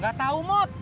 gak tau mut